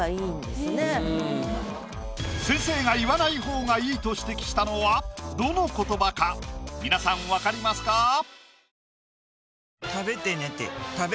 先生が言わない方がいいと指摘したのはどの言葉か皆さん分かりますか？